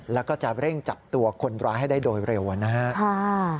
แล้วก็จะเร่งจับตัวคนร้ายให้ได้โดยเร็วนะครับ